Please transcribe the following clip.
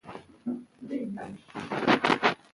ناسم خوراک انرژي ضایع کوي.